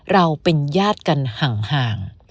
เราเป็นญาติกันห่าง